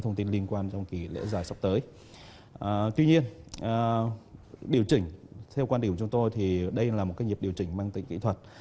thì đây là một cái nhịp điều chỉnh mang tính kỹ thuật